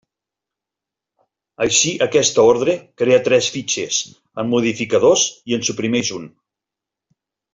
Així, aquesta Ordre crea tres fitxers, en modifica dos i en suprimeix un.